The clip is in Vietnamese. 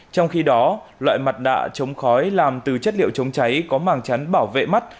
trong khi đó loại mặt nạ chống khói làm từ chất liệu chống cháy có màng chắn bảo vệ mắt